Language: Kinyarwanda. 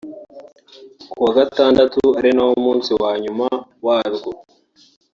Ku wa gatandatu ari na wo munsi wa nyuma waryo